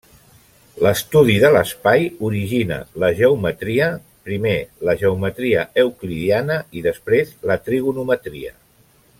L'estudi de l'espai origina la geometria, primer la geometria euclidiana i després la trigonometria.